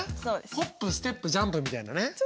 ホップステップジャンプみたいなね。